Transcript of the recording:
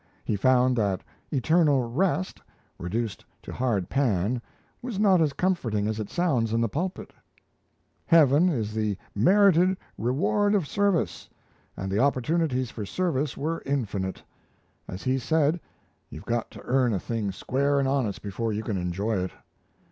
He found that Eternal Rest, reduced to hard pan, was not as comforting as it sounds in the pulpit. Heaven is the merited reward of service; and the opportunities for service were infinite. As he said, you've got to earn a thing square and honest before you can enjoy it.